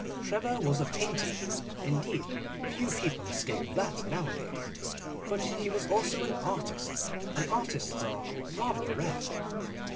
Trevor was a painter. Indeed, few people escape that nowadays. But he was also an artist, and artists are rather rare.